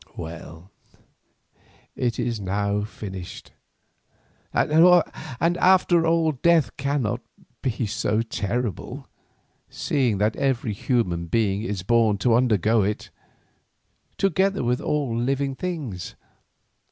Well, it is finished, and after all death cannot be so terrible, seeing that every human being is born to undergo it, together with all living things.